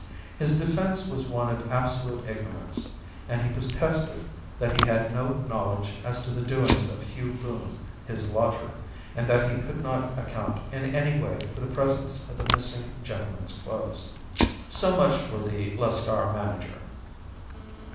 His defence was one of absolute ignorance, and he protested that he had no knowledge as to the doings of Hugh Boone, his lodger, and that he could not account in any way for the presence of the missing gentleman's clothes. "So much for the Lascar manager.